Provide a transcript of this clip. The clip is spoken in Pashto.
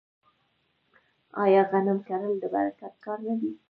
آیا غنم کرل د برکت کار نه دی؟